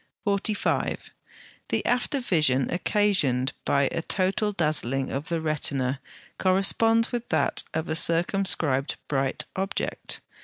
45. The after vision occasioned by a total dazzling of the retina corresponds with that of a circumscribed bright object.